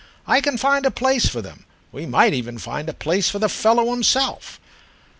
I can find a place for them: we might even find a place for the fellow himself."